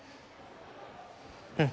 うん。